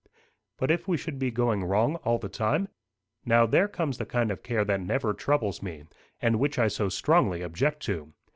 "But if we should be going wrong all the time?" "Now, there comes the kind of care that never troubles me, and which I so strongly object to.